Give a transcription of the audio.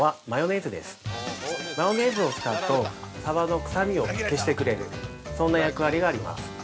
マヨネーズを使うと、サバの臭みを消してくれる、そんな役割があります。